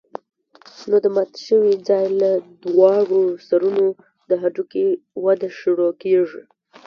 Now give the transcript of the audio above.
نو د مات شوي ځاى له دواړو سرونو د هډوکي وده شروع کېږي.